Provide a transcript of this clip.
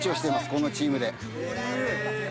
このチームで。